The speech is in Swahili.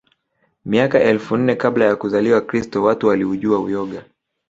Miaka elfu nne kabla ya kuzaliwa Kristo watu waliujua uyoga